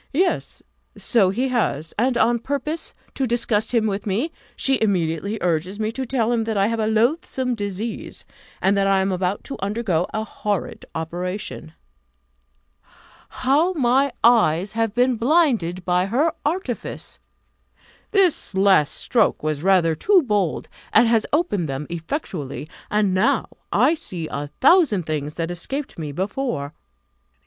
Yes, so he has; and on purpose to disgust him with me, she immediately urges me to tell him that I have a loathsome disease, and that I am about to undergo a horrid operation. How my eyes have been blinded by her artifice! This last stroke was rather too bold, and has opened them effectually, and now I see a thousand things that escaped me before.